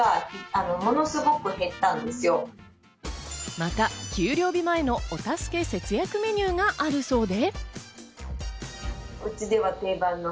また、給料日前のお助け節約メニューがあるそうで。